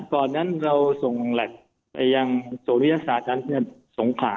ตอนนั้นเราส่งแล็บไปยังโรงพยาบาลยะลาส่งขา